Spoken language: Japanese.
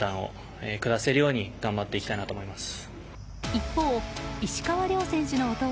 一方、石川遼選手の弟